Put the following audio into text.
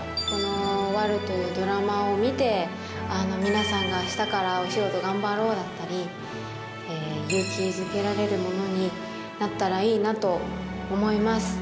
この悪女というドラマを見て、皆さんがあしたからお仕事頑張ろうだったり、勇気づけられるものになったらいいなと思います。